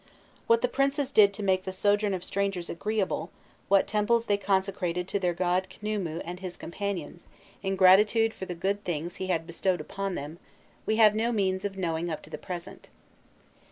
What the princes did to make the sojourn of strangers agreeable, what temples they consecrated to their god Khnûmû and his companions, in gratitude for the good things he had bestowed upon them, we have no means of knowing up to the present.